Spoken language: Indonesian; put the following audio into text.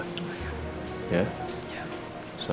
mama tolong antreinnya ke sekolah